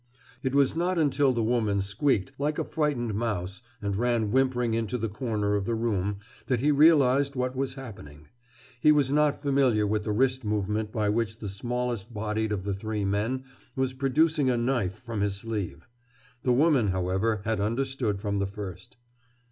It was not until the woman squeaked, like a frightened mouse, and ran whimpering into the corner of the room, that he realized what was happening. He was not familiar with the wrist movement by which the smallest bodied of the three men was producing a knife from his sleeve. The woman, however, had understood from the first.